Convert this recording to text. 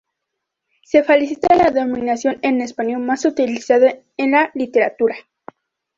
Se facilita la denominación en español más utilizada en la literatura.